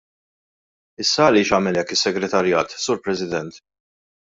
Issa għaliex għamel hekk is-segretarjat, Sur President?